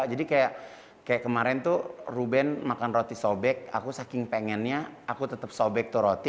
jadi kayak kemarin tuh ruben makan roti sobek aku saking pengennya aku tetap sobek tuh roti